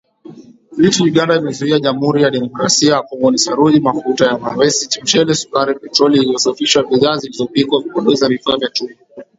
Vitu Uganda imezuia Jamhuri ya Kidemokrasia ya Kongo ni saruji, mafuta ya mawese, mchele, sukari, petroli iliyosafishwa, bidhaa zilizopikwa, vipodozi na vifaa vya chuma.